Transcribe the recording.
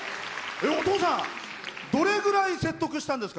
お父さんどれぐらい説得したんですか